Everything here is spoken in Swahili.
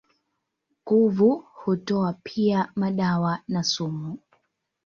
Kuvu hutoa pia madawa na sumu.